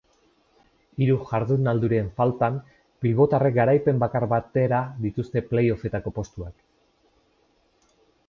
Hiru jardunaldiren faltan, bilbotarrek garaipen bakar batera dituzte play offetako postuak.